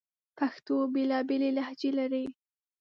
پښتو بیلابیلي لهجې لري